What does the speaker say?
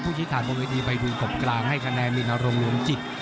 ผู้ชิดฐานประวัติธีไปดูขบกลางให้คะแนนมินโรงหลวงจิต